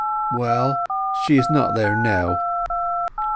"Well, she is not there now."